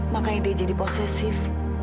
makanya dia jadi posesif